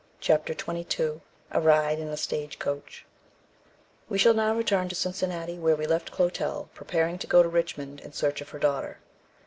CHAPTER XXII A RIDE IN A STAGE COACH WE shall now return to Cincinnati, where we left Clotel preparing to go to Richmond in search of her daughter.